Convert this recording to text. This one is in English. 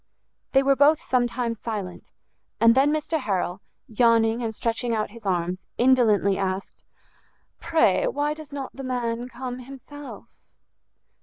They were both some time silent, and then Mr Harrel, yawning and stretching out his arms, indolently asked, "Pray, why does not the man come himself?"